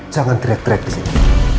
jangan teriak teriak di sini